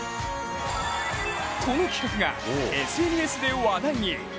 この企画がＳＮＳで話題に！